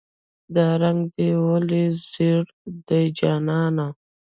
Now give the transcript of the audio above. "دا رنګ دې ولې زیړ دی جانانه".